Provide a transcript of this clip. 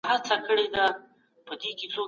خالق ته د علم په واسطه رسېدلای سو.